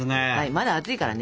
まだ暑いからね